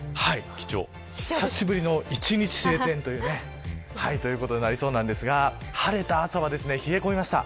久しぶりの１日晴天ということになりそうなんですが晴れた朝は冷え込みました。